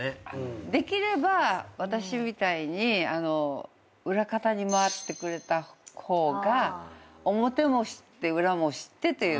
できれば私みたいに裏方に回ってくれた方が表も知って裏も知ってという。